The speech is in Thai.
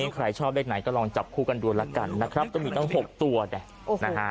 ใครชอบเลขไหนก็ลองจับคู่กันดูแล้วกันนะครับก็มีตั้ง๖ตัวเนี่ยนะฮะ